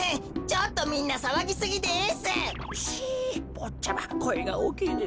ぼっちゃまこえがおおきいです。